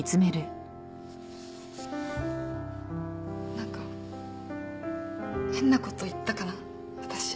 何か変なこと言ったかな私。